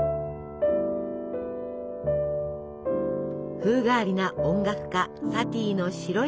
風変わりな音楽家サティの白い世界。